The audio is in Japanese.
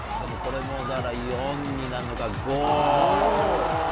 ４になるのか、５？